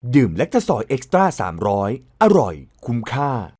ดื่มแลกทะสอยเอ็กซ์ตร้า๓๐๐อร่อยคุ้มค่า